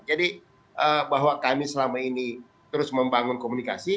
jadi bahwa kami selama ini terus membangun komunikasi